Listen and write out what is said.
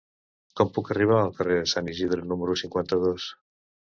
Com puc arribar al carrer de Sant Isidre número cinquanta-dos?